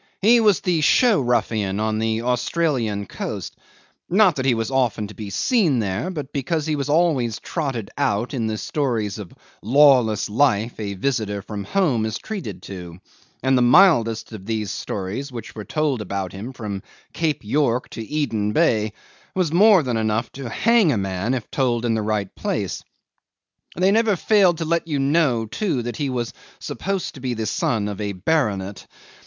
He was the show ruffian on the Australian coast not that he was often to be seen there, but because he was always trotted out in the stories of lawless life a visitor from home is treated to; and the mildest of these stories which were told about him from Cape York to Eden Bay was more than enough to hang a man if told in the right place. They never failed to let you know, too, that he was supposed to be the son of a baronet.